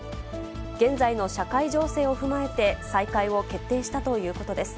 現在の社会情勢を踏まえて、再開を決定したということです。